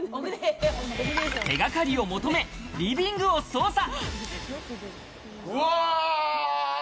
手掛かりを求め、リビングを捜査。